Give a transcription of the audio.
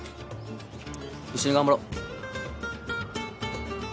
一緒に頑張ろう。